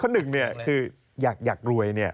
หนึ่งเนี่ยคืออยากรวยเนี่ย